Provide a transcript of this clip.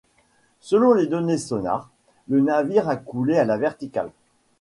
Selon les données sonar, le navire a coulé à la verticale.